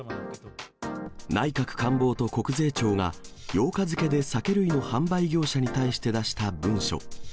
内閣官房と国税庁が、８日付で酒類の販売業者に対して出した文書。